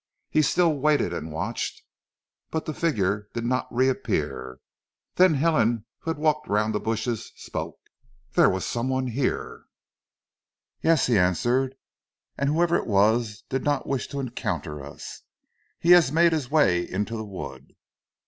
He still waited and watched, but the figure did not re appear, then Helen who had walked round the bushes spoke. "There was some one here!" "Yes," he answered, "and whoever it was did not wish to encounter us. He has made his way into the wood."